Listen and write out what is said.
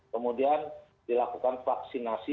kemudian dilakukan vaksinasi